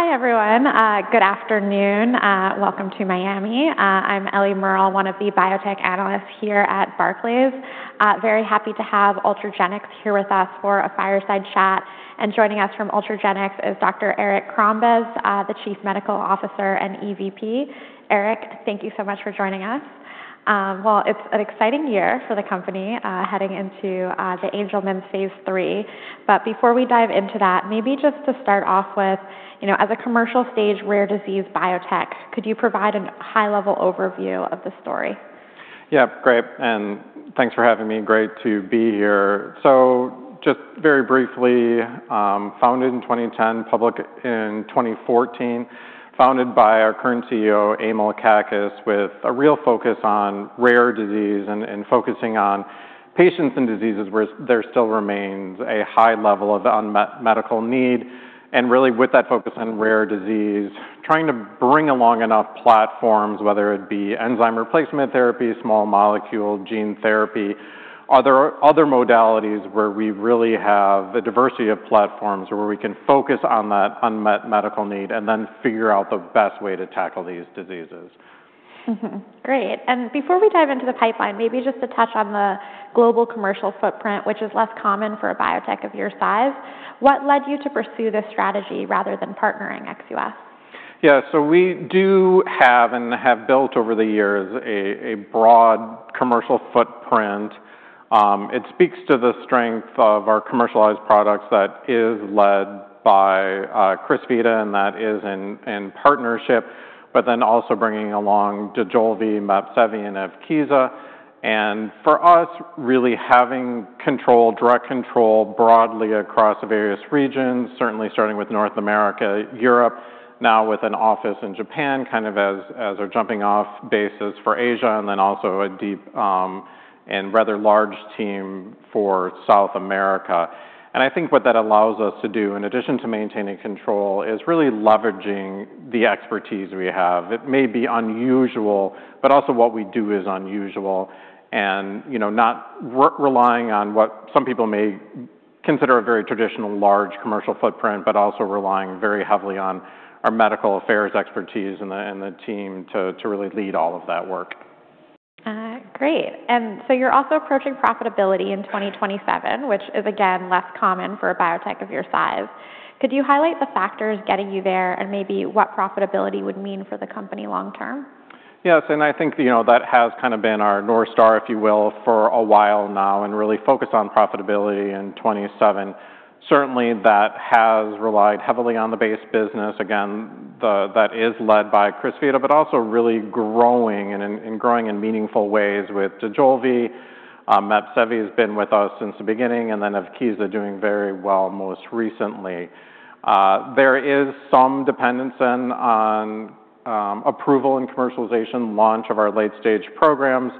Hi, everyone. Good afternoon. Welcome to Miami. I'm Ellie Merle, one of the biotech analysts here at Barclays. Very happy to have Ultragenyx here with us for a fireside chat. Joining us from Ultragenyx is Dr. Eric Crombez, the Chief Medical Officer and EVP. Eric, thank you so much for joining us. Well, it's an exciting year for the company, heading into the Angelman phase III. Before we dive into that, maybe just to start off with, you know, as a commercial stage rare disease biotech, could you provide a high-level overview of the story? Yeah, great. Thanks for having me. Great to be here. Just very briefly, founded in 2010, public in 2014. Founded by our current CEO, Emil Kakkis, with a real focus on rare disease and focusing on patients and diseases where there still remains a high level of unmet medical need. Really with that focus on rare disease, trying to bring along enough platforms, whether it be enzyme replacement therapy, small molecule gene therapy, other modalities where we really have the diversity of platforms where we can focus on that unmet medical need and then figure out the best way to tackle these diseases. Great. Before we dive into the pipeline, maybe just to touch on the global commercial footprint, which is less common for a biotech of your size. What led you to pursue this strategy rather than partnering ex-U.S.? Yeah. So we do have, and have built over the years a broad commercial footprint. It speaks to the strength of our commercialized products that is led by Crysvita, and that is in partnership, but then also bringing along Dojolvi, Mepsevii, and Evkeeza. For us, really having control, direct control broadly across various regions, certainly starting with North America, Europe, now with an office in Japan, kind of as our jumping-off basis for Asia, and then also a deep, and rather large team for South America. I think what that allows us to do, in addition to maintaining control, is really leveraging the expertise we have. It may be unusual, but also what we do is unusual and, you know, not relying on what some people may consider a very traditional large commercial footprint, but also relying very heavily on our medical affairs expertise and the team to really lead all of that work. Great. You're also approaching profitability in 2027, which is, again, less common for a biotech of your size. Could you highlight the factors getting you there and maybe what profitability would mean for the company long term? I think, you know, that has kind of been our North Star, if you will, for a while now and really focus on profitability in 2027. Certainly, that has relied heavily on the base business, again, that is led by Crysvita, but also really growing in meaningful ways with Dojolvi. Mepsevii has been with us since the beginning, and then Evkeeza doing very well most recently. There is some dependence then on approval and commercialization launch of our late-stage programs.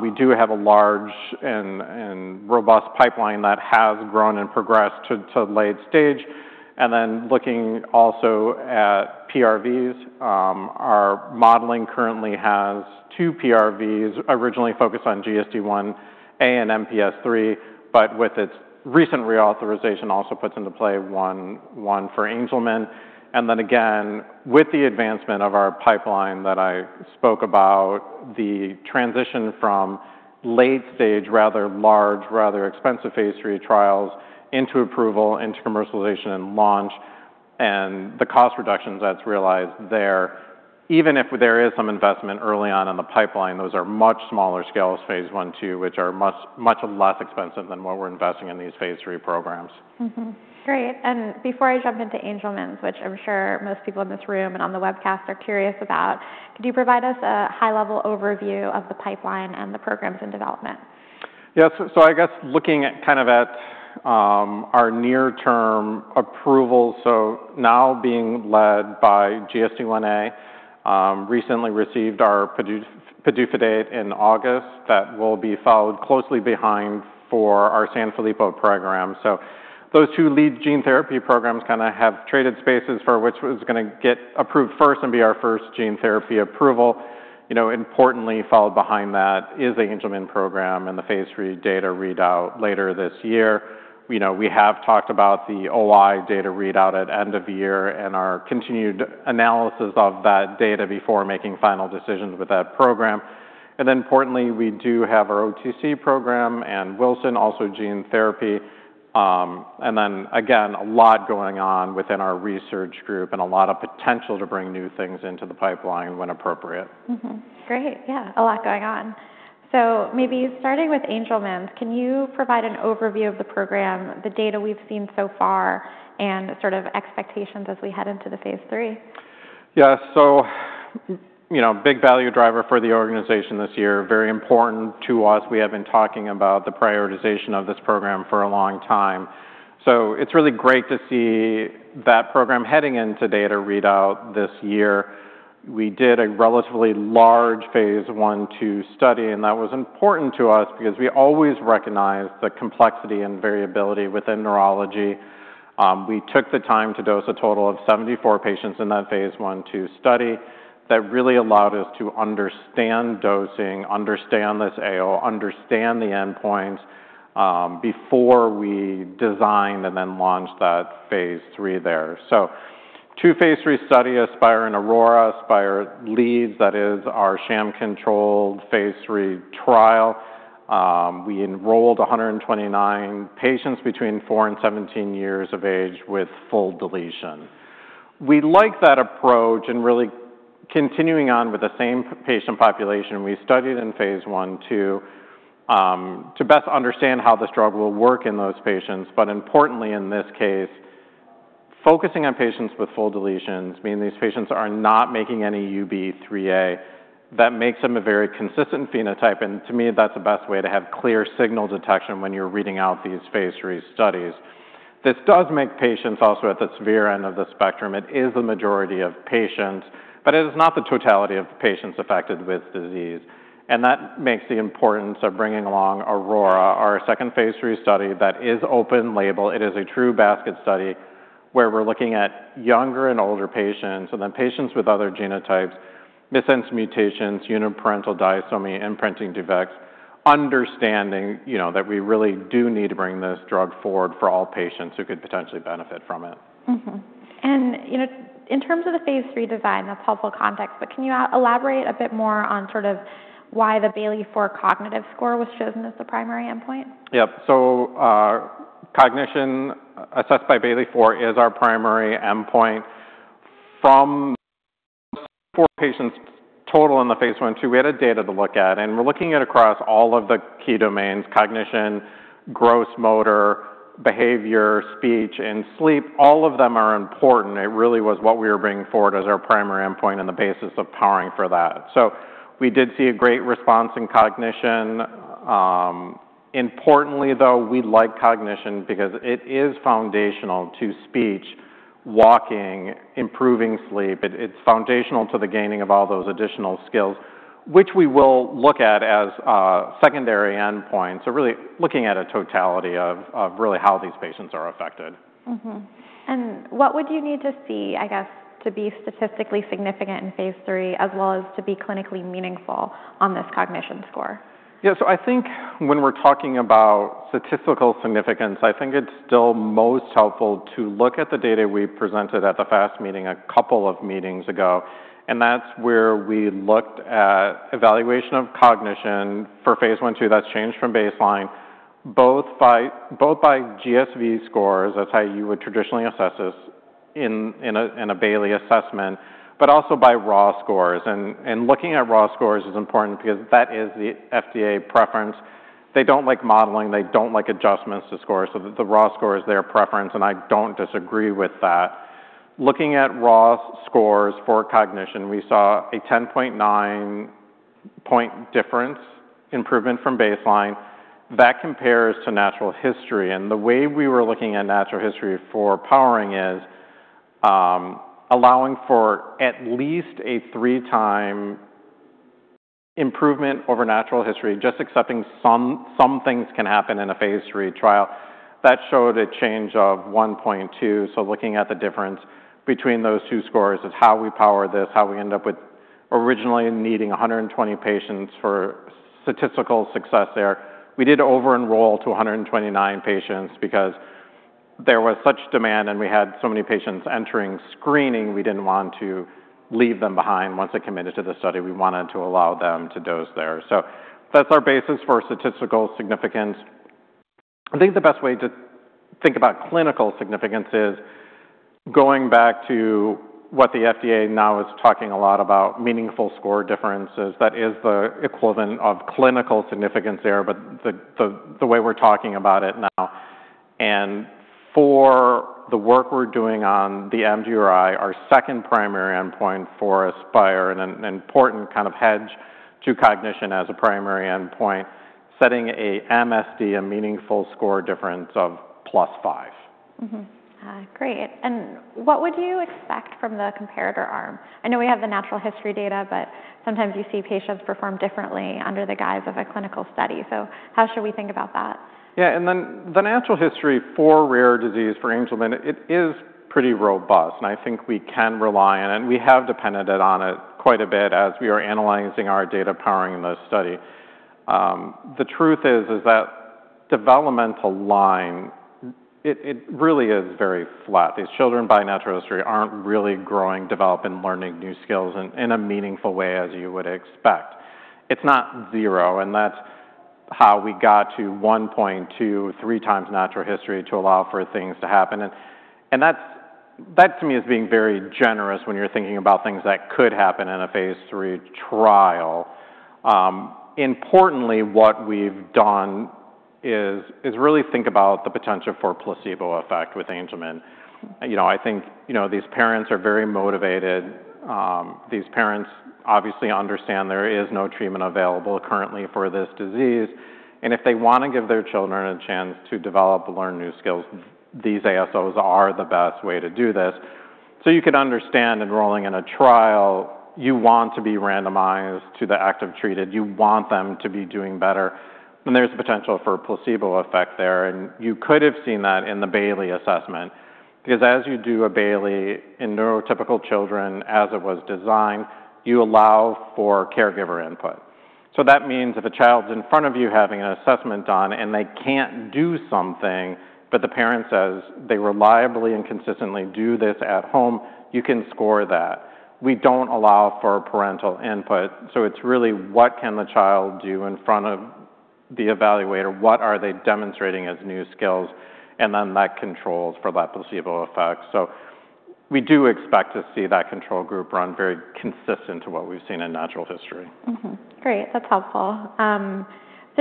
We do have a large and robust pipeline that has grown and progressed to late stage. Looking also at PRVs, our modeling currently has two PRVs originally focused on GSD1A and MPS III, but with its recent reauthorization also puts into play one for Angelman. Again, with the advancement of our pipeline that I spoke about, the transition from late stage, rather large, rather expensive phase III trials into approval, into commercialization and launch, and the cost reductions that's realized there. Even if there is some investment early on in the pipeline, those are much smaller scales, phase I/II, which are much, much less expensive than what we're investing in these phase III programs. Great. Before I jump into Angelman, which I'm sure most people in this room and on the webcast are curious about, could you provide us a high-level overview of the pipeline and the programs in development? Yeah. I guess looking at our near-term approval, now being led by GSD1A, recently received our PDUFA date in August that will be followed closely behind for our Sanfilippo program. Those two lead gene therapy programs kinda have traded spaces for which was gonna get approved first and be our first gene therapy approval. You know, importantly followed behind that is the Angelman program and the phase III data readout later this year. You know, we have talked about the OI data readout at end of year and our continued analysis of that data before making final decisions with that program. Importantly, we do have our OTC program and Wilson also gene therapy. A lot going on within our research group and a lot of potential to bring new things into the pipeline when appropriate. Great. Yeah, a lot going on. Maybe starting with Angelman, can you provide an overview of the program, the data we’ve seen so far, and sort of expectations as we head into the phase III? Yeah. You know, big value driver for the organization this year, very important to us. We have been talking about the prioritization of this program for a long time. It's really great to see that program heading into data readout this year. We did a relatively large phase I, II study, and that was important to us because we always recognize the complexity and variability within neurology. We took the time to dose a total of 74 patients in that phase I, II study. That really allowed us to understand dosing, understand this ASO, understand the endpoints, before we designed and then launched that phase III there. Two phase III study, Aspire and Aurora. Aspire leads, that is our sham-controlled phase III trial. We enrolled 129 patients between four and 17 years of age with full deletion. We like that approach and really continuing on with the same patient population we studied in phase I to best understand how this drug will work in those patients. Importantly in this case, focusing on patients with full deletions, meaning these patients are not making any UBE3A, that makes them a very consistent phenotype. To me, that's the best way to have clear signal detection when you're reading out these phase III studies. This does make patients also at the severe end of the spectrum. It is the majority of patients, but it is not the totality of patients affected with disease. That makes the importance of bringing along Aurora, our second phase III study that is open label. It is a true basket study where we're looking at younger and older patients, and then patients with other genotypes, missense mutations, uniparental disomy, imprinting defects, understanding, you know, that we really do need to bring this drug forward for all patients who could potentially benefit from it. You know, in terms of the phase III design, that's helpful context, but can you elaborate a bit more on sort of why the Bayley-IV cognitive score was chosen as the primary endpoint? Cognition assessed by Bayley-IV is our primary endpoint. From four patients total in the phase I/II, we had data to look at, and we're looking at across all of the key domains, cognition, gross motor, behavior, speech, and sleep. All of them are important. It really was what we were bringing forward as our primary endpoint and the basis of powering for that. We did see a great response in cognition. Importantly though, we like cognition because it is foundational to speech, walking, improving sleep. It's foundational to the gaining of all those additional skills, which we will look at as secondary endpoints. Really looking at a totality of really how these patients are affected. What would you need to see, I guess, to be statistically significant in phase III as well as to be clinically meaningful on this cognition score? Yeah. I think when we're talking about statistical significance, I think it's still most helpful to look at the data we presented at the FAST meeting a couple of meetings ago, and that's where we looked at evaluation of cognition for phase I/II that's changed from baseline, both by GSV scores. That's how you would traditionally assess this in a Bayley assessment, but also by raw scores. Looking at raw scores is important because that is the FDA preference. They don't like modeling. They don't like adjustments to scores. The raw score is their preference, and I don't disagree with that. Looking at raw scores for cognition, we saw a 10.9-point difference improvement from baseline. That compares to natural history. The way we were looking at natural history for powering is, allowing for at least a 3-time improvement over natural history, just accepting some things can happen in a phase III trial. That showed a change of 1.2. Looking at the difference between those two scores is how we power this, how we end up with originally needing 120 patients for statistical success there. We did over-enroll to 129 patients because there was such demand, and we had so many patients entering screening. We didn't want to leave them behind once they committed to the study. We wanted to allow them to dose there. That's our basis for statistical significance. I think the best way to think about clinical significance is going back to what the FDA now is talking a lot about, meaningful score differences. That is the equivalent of clinical significance there, but the way we're talking about it now. For the work we're doing on the MDRI, our second primary endpoint for ASPIRE and an important kind of hedge to cognition as a primary endpoint, setting a MSD, a meaningful score difference, of +5. Great. What would you expect from the comparator arm? I know we have the natural history data, but sometimes you see patients perform differently under the guise of a clinical study. How should we think about that? Yeah. Then the natural history for rare disease, for Angelman, it is pretty robust, and I think we can rely on it, and we have depended it on it quite a bit as we are analyzing our data powering this study. The truth is that developmental line, it really is very flat. These children by natural history aren't really growing, developing, learning new skills in a meaningful way as you would expect. It's not zero, and that's how we got to 1.2x-3x natural history to allow for things to happen. That's to me is being very generous when you're thinking about things that could happen in a phase III trial. Importantly, what we've done is really think about the potential for placebo effect with Angelman. You know, I think, you know, these parents are very motivated. These parents obviously understand there is no treatment available currently for this disease. If they wanna give their children a chance to develop, learn new skills, these ASOs are the best way to do this. You can understand enrolling in a trial, you want to be randomized to the active treated. You want them to be doing better. There's a potential for a placebo effect there, and you could have seen that in the Bayley assessment because as you do a Bayley in neurotypical children as it was designed, you allow for caregiver input. That means if a child's in front of you having an assessment done and they can't do something, but the parent says they reliably and consistently do this at home, you can score that. We don't allow for parental input. It's really what can the child do in front of the evaluator? What are they demonstrating as new skills? That controls for that placebo effect. We do expect to see that control group run very consistent to what we've seen in natural history. Mm-hmm. Great. That's helpful.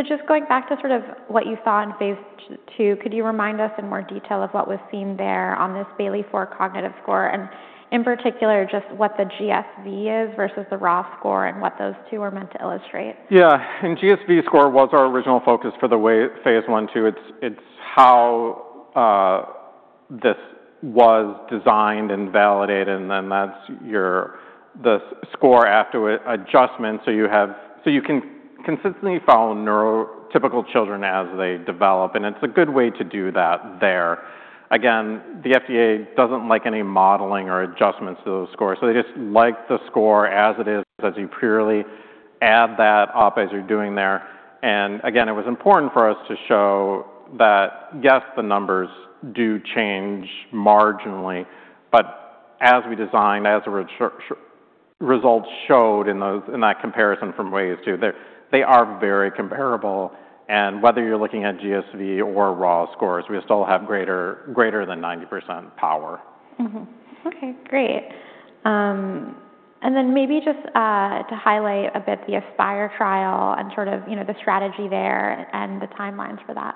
Just going back to sort of what you saw in phase II, could you remind us in more detail of what was seen there on this Bayley-IV cognitive score and in particular just what the GSV is versus the raw score and what those two are meant to illustrate? Yeah. GSV score was our original focus for the phase I/II. It's how this was designed and validated, and then that's your S-score after adjustment, so you can consistently follow neurotypical children as they develop, and it's a good way to do that there. Again, the FDA doesn't like any modeling or adjustments to those scores. They just like the score as it is, as you purely add that up as you're doing there. Again, it was important for us to show that, yes, the numbers do change marginally. As we designed, the results showed in those, in that comparison from Wave 2, they are very comparable. Whether you're looking at GSV or raw scores, we still have greater than 90% power. Mm-hmm. Okay, great. Maybe just to highlight a bit the Aspire trial and sort of, you know, the strategy there and the timelines for that.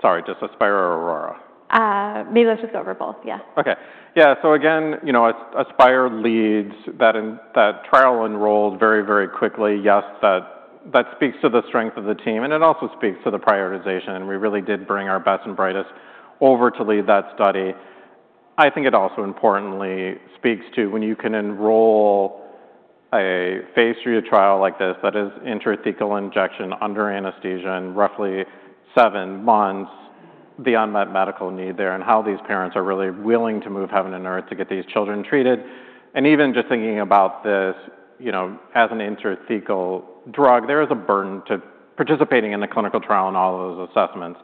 Sorry, just Aspire or Aurora? Maybe let's just go over both. Yeah. Okay. Yeah. Again, you know, Aspire leads. That trial enrolled very, very quickly. Yes, that speaks to the strength of the team, and it also speaks to the prioritization. We really did bring our best and brightest over to lead that study. I think it also importantly speaks to when you can enroll a phase III trial like this that is intrathecal injection under anesthesia in roughly seven months beyond that medical need there, and how these parents are really willing to move heaven and earth to get these children treated. Even just thinking about this, you know, as an intrathecal drug, there is a burden to participating in the clinical trial and all of those assessments.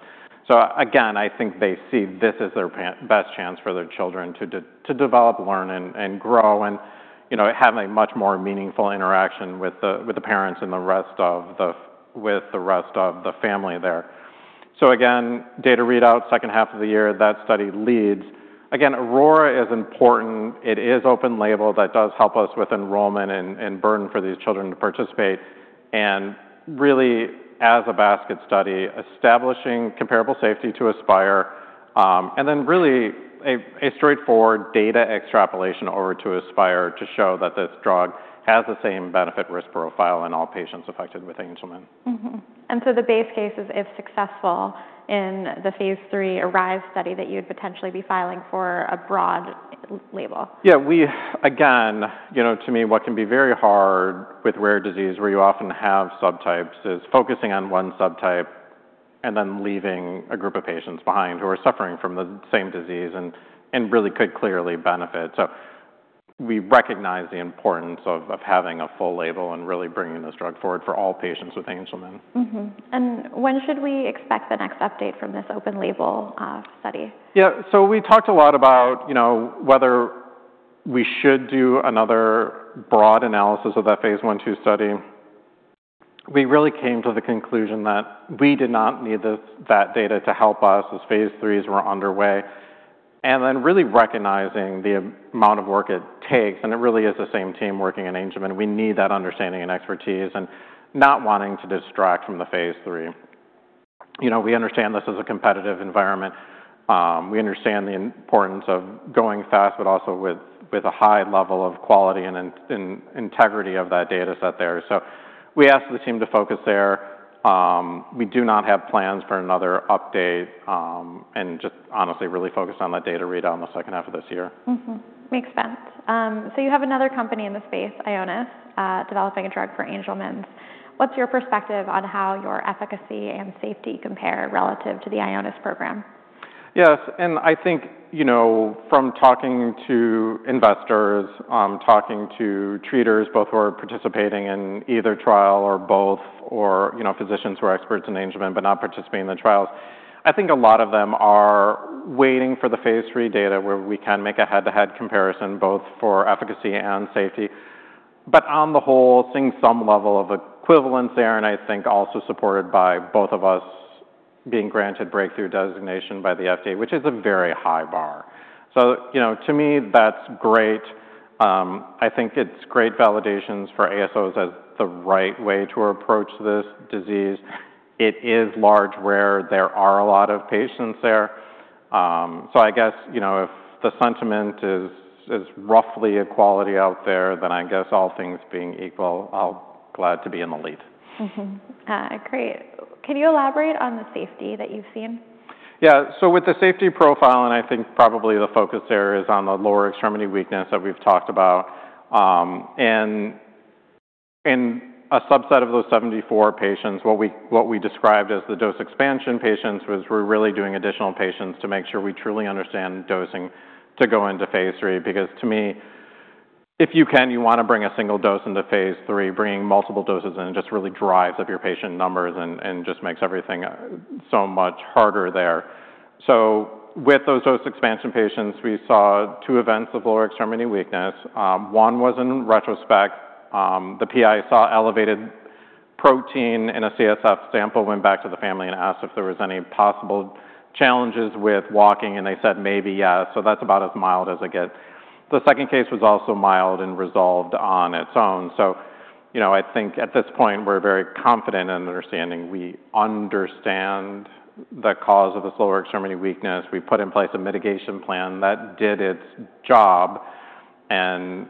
Again, I think they see this as their best chance for their children to develop, learn, and grow and, you know, have a much more meaningful interaction with the parents and the rest of the family there. Again, data readout second half of the year. That study leads. Again, Aurora is important. It is open label. That does help us with enrollment and burden for these children to participate. Really, as a basket study, establishing comparable safety to Aspire, and then really a straightforward data extrapolation over to Aspire to show that this drug has the same benefit risk profile in all patients affected with Angelman. The base case is, if successful in the phase III Aspire study, that you'd potentially be filing for a broad label. Yeah. Again, you know, to me, what can be very hard with rare disease where you often have subtypes is focusing on one subtype and then leaving a group of patients behind who are suffering from the same disease and really could clearly benefit. We recognize the importance of having a full label and really bringing this drug forward for all patients with Angelman. Mm-hmm. When should we expect the next update from this open label study? Yeah. We talked a lot about, you know, whether we should do another broad analysis of that phase I/II study. We really came to the conclusion that we did not need this, that data to help us as phase IIIs were underway. Then really recognizing the amount of work it takes, and it really is the same team working in Angelman. We need that understanding and expertise and not wanting to distract from the phase III. You know, we understand this is a competitive environment. We understand the importance of going fast but also with a high level of quality and integrity of that data set there. We asked the team to focus there. We do not have plans for another update, and just honestly really focused on that data readout in the second half of this year. Makes sense. You have another company in the space, Ionis, developing a drug for Angelman syndrome. What's your perspective on how your efficacy and safety compare relative to the Ionis program? Yes. I think, you know, from talking to investors, talking to treaters, both who are participating in either trial or both, or, you know, physicians who are experts in Angelman but not participating in the trials, I think a lot of them are waiting for the phase III data where we can make a head-to-head comparison both for efficacy and safety. On the whole, seeing some level of equivalence there, and I think also supported by both of us being granted breakthrough designation by the FDA, which is a very high bar. You know, to me, that's great. I think it's great validations for ASOs as the right way to approach this disease. It is large, rare. There are a lot of patients there. I guess, you know, if the sentiment is roughly equal out there, then I guess all things being equal, I'll be glad to be in the lead. Mm-hmm. Great. Can you elaborate on the safety that you've seen? With the safety profile, and I think probably the focus there is on the lower extremity weakness that we've talked about, and in a subset of those 74 patients, what we described as the dose expansion patients was we're really doing additional patients to make sure we truly understand dosing to go into phase III. Because to me, if you can, you wanna bring a single dose into phase III, bringing multiple doses in just really drives up your patient numbers and just makes everything so much harder there. With those dose expansion patients, we saw two events of lower extremity weakness. One was in retrospect. The PI saw elevated protein in a CSF sample, went back to the family, and asked if there was any possible challenges with walking, and they said, "Maybe, yeah." That's about as mild as it gets. The second case was also mild and resolved on its own. You know, I think at this point we're very confident in understanding. We understand the cause of this lower extremity weakness. We put in place a mitigation plan that did its job, and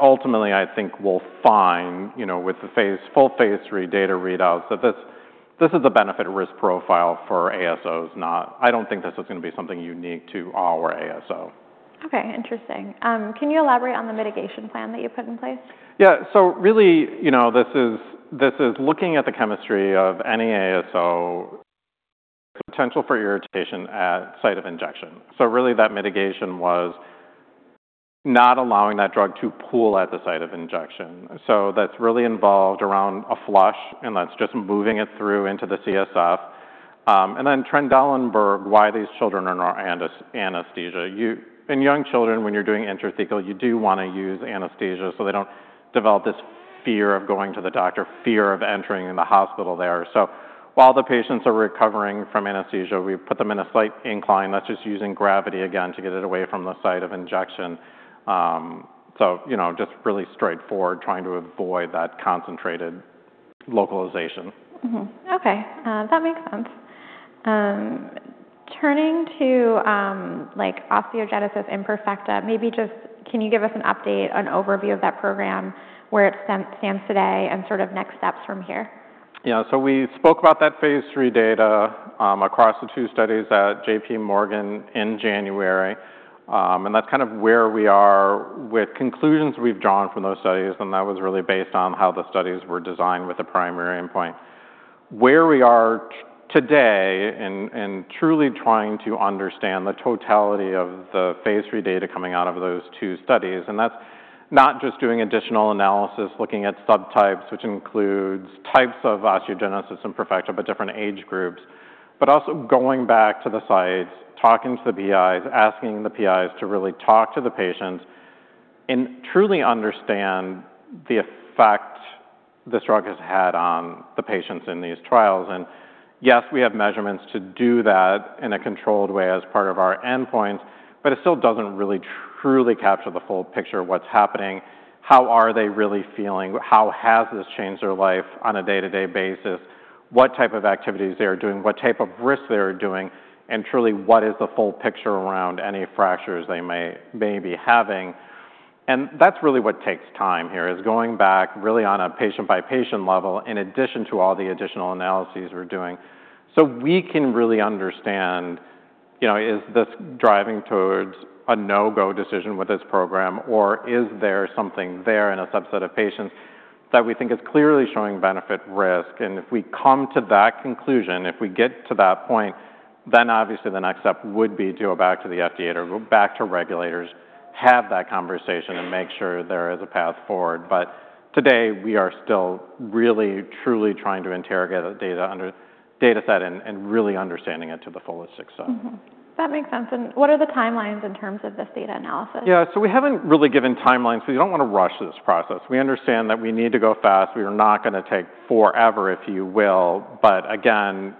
ultimately I think we'll find, you know, with the full phase III data readouts, that this is a benefit risk profile for ASOs, not. I don't think this is gonna be something unique to our ASO. Okay. Interesting. Can you elaborate on the mitigation plan that you put in place? Yeah. Really, you know, this is looking at the chemistry of any ASO potential for irritation at site of injection. Really that mitigation was not allowing that drug to pool at the site of injection. That's really involved around a flush, and that's just moving it through into the CSF. Trendelenburg, why these children are in anesthesia. In young children, when you're doing intrathecal, you do wanna use anesthesia, so they don't develop this fear of going to the doctor, fear of entering in the hospital there. While the patients are recovering from anesthesia, we put them in a slight incline. That's just using gravity again to get it away from the site of injection. You know, just really straightforward, trying to avoid that concentrated localization. Okay. That makes sense. Turning to, like osteogenesis imperfecta, maybe just can you give us an update, an overview of that program, where it stands today and sort of next steps from here? Yeah. We spoke about that phase III data across the two studies at JPMorgan in January. That's kind of where we are with conclusions we've drawn from those studies, and that was really based on how the studies were designed with the primary endpoint. Where we are today in truly trying to understand the totality of the phase III data coming out of those two studies, and that's not just doing additional analysis, looking at subtypes, which includes types of osteogenesis imperfecta, but different age groups, but also going back to the sites, talking to the PIs, asking the PIs to really talk to the patients and truly understand the effect this drug has had on the patients in these trials. Yes, we have measurements to do that in a controlled way as part of our endpoints, but it still doesn't really truly capture the full picture of what's happening. How are they really feeling? How has this changed their life on a day-to-day basis? What type of activities they're doing, what type of risks they're doing, and truly what is the full picture around any fractures they may be having. That's really what takes time here, is going back really on a patient-by-patient level in addition to all the additional analyses we're doing, so we can really understand, you know, is this driving towards a no-go decision with this program, or is there something there in a subset of patients that we think is clearly showing benefit risk. If we come to that conclusion, if we get to that point, then obviously the next step would be to go back to the FDA or go back to regulators, have that conversation, and make sure there is a path forward. Today we are still really, truly trying to interrogate the data and the dataset and really understanding it to the fullest extent. Mm-hmm. That makes sense. What are the timelines in terms of this data analysis? Yeah. We haven't really given timelines 'cause we don't wanna rush this process. We understand that we need to go fast. We are not gonna take forever, if you will. Again,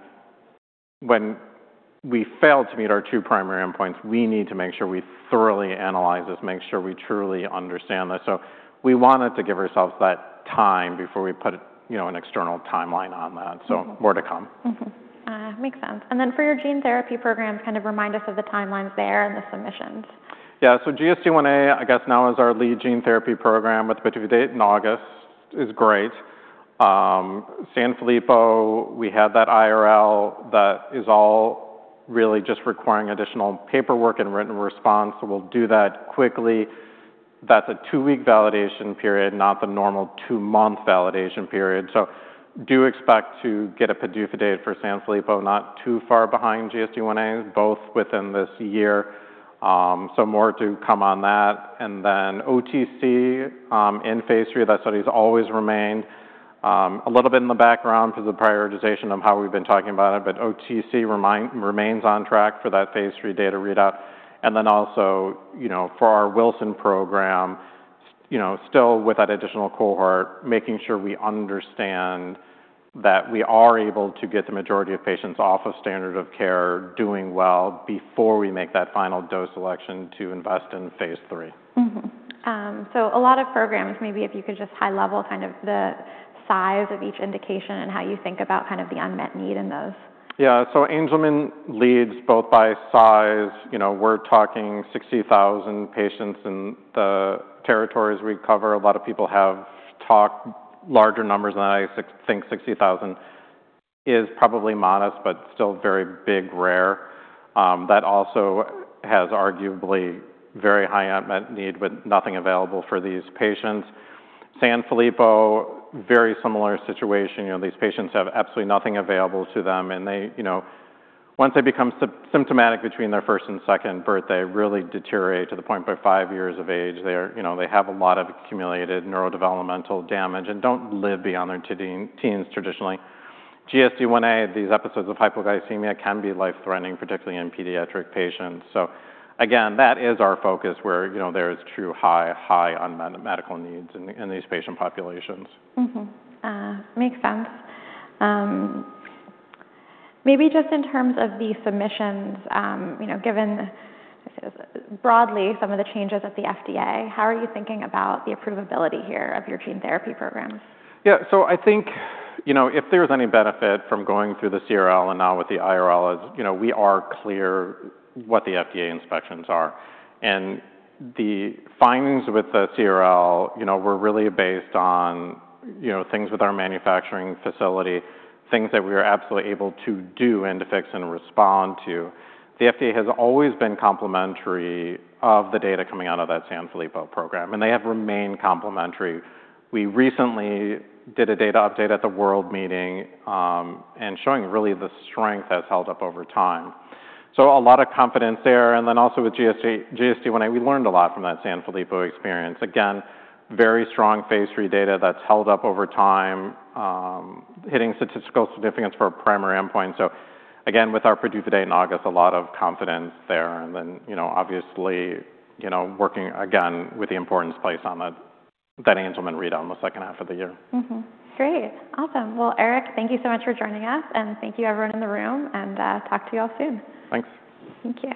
when we fail to meet our two primary endpoints, we need to make sure we thoroughly analyze this, make sure we truly understand this. We wanted to give ourselves that time before we put, you know, an external timeline on that. Mm-hmm. More to come. Mm-hmm. Makes sense. For your gene therapy programs, kind of remind us of the timelines there and the submissions. Yeah. GSDIa, I guess now is our lead gene therapy program with the PDUFA date in August, is great. Sanfilippo, we had that CRL that is all really just requiring additional paperwork and written response. We'll do that quickly. That's a two-week validation period, not the normal two-month validation period. Do expect to get a PDUFA date for Sanfilippo, not too far behind GSDIa, both within this year. More to come on that. Then OTC, in phase III, that study's always remained a little bit in the background for the prioritization of how we've been talking about it. OTC remains on track for that phase III data readout. You know, for our Wilson program, you know, still with that additional cohort, making sure we understand that we are able to get the majority of patients off of standard of care doing well before we make that final dose selection to invest in phase III. A lot of programs, maybe if you could just high-level kind of the size of each indication and how you think about kind of the unmet need in those. Yeah. Angelman leads both by size. You know, we're talking 60,000 patients in the territories we cover. A lot of people have talked larger numbers than I think 60,000 is probably modest, but still very big, rare. That also has arguably very high unmet need with nothing available for these patients. Sanfilippo, very similar situation. You know, these patients have absolutely nothing available to them, and they, you know, once they become symptomatic between their first and second birthday, really deteriorate to the point by five years of age, they are, you know, they have a lot of accumulated neurodevelopmental damage and don't live beyond their teens traditionally. GSD1A, these episodes of hypoglycemia can be life-threatening, particularly in pediatric patients. Again, that is our focus where, you know, there is true high unmet medical needs in these patient populations. Makes sense. Maybe just in terms of the submissions, you know, given broadly some of the changes at the FDA, how are you thinking about the approvability here of your gene therapy programs? Yeah. I think, you know, if there's any benefit from going through the CRL and now with the BLA is, you know, we are clear what the FDA inspections are, and the findings with the CRL, you know, were really based on, you know, things with our manufacturing facility, things that we are absolutely able to do and to fix and respond to. The FDA has always been complimentary of the data coming out of that Sanfilippo program, and they have remained complimentary. We recently did a data update at the world meeting, and showing really the strength has held up over time. A lot of confidence there. Then also with GSD, GSD1A, we learned a lot from that Sanfilippo experience. Again, very strong phase III data that's held up over time, hitting statistical significance for a primary endpoint. Again, with our PDUFA date in August, a lot of confidence there and then, you know, obviously, you know, working again with the importance placed on that Angelman readout in the second half of the year. Great. Awesome. Well, Eric, thank you so much for joining us, and thank you everyone in the room, and talk to you all soon. Thanks. Thank you.